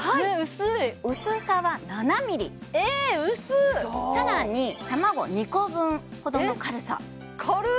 薄い薄さは７ｍｍえっ薄っさらに卵２個分ほどの軽さ軽っ！